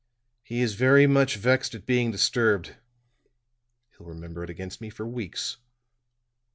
"He is very much vexed at being disturbed. He'll remember it against me for weeks."